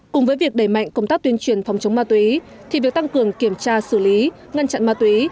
cùng với việc đẩy mạnh công tác tuyên truyền phòng chống ma túy thì việc tăng cường kiểm tra xử lý ngăn chặn ma túy